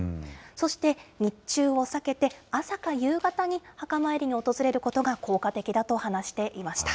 そして、日中を避けて、朝か夕方に墓参りに訪れることが効果的だと話していました。